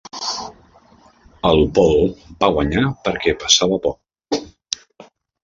El Paul va guanyar perquè pesava poc.